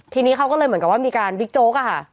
ทีนี้เขาก็เลยเหมือนกับว่ามีการบิ๊กโจ๊กอะค่ะ